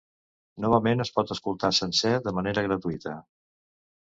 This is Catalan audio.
Novament es pot escoltar sencer de manera gratuïta.